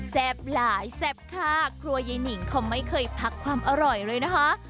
หลายแซ่บค่ะครัวยายนิงเขาไม่เคยพักความอร่อยเลยนะคะ